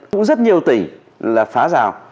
cũng rất nhiều tỉnh là phá rào